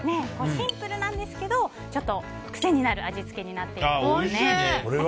シンプルなんですけどちょっと癖になる味付けになっています。